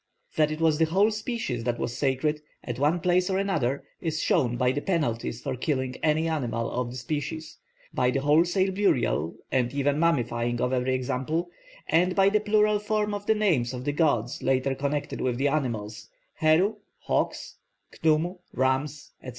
That it was the whole species that was sacred, at one place or another, is shown by the penalties for killing any animal of the species, by the wholesale burial and even mummifying of every example, and by the plural form of the names of the gods later connected with the animals, Heru, hawks, Khnumu, rams, etc.